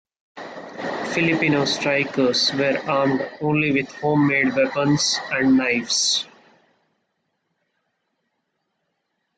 Filipino strikers were armed only with homemade weapons and knives.